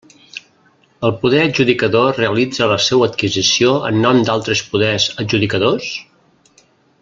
El poder adjudicador realitza la seua adquisició en nom d'altres poders adjudicadors?